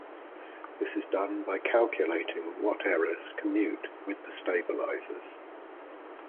This is done by calculating what errors commute with the stabilizers.